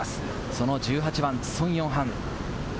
その１８番、ソン・ヨンハン。